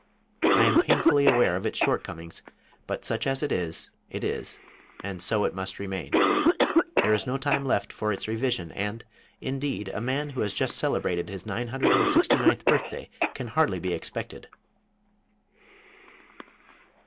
I am painfully aware of its shortcomings, but such as it is it is, and so it must remain. There is no time left for its revision, and, indeed, a man who has just celebrated his nine hundred and sixty ninth birthday can hardly be expected